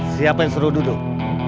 siapa yang suruh duduk